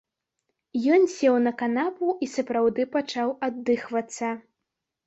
Ён сеў на канапу і сапраўды пачаў аддыхвацца.